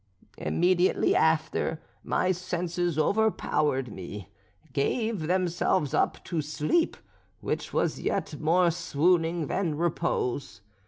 Immediately after, my senses, overpowered, gave themselves up to sleep, which was yet more swooning than repose.